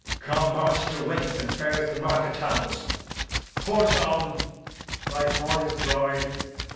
Come, march to wakes and fairs and market towns. Poor Tom, thy horn is dry.